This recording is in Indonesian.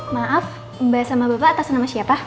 maaf mbak sama bapak atas nama siapa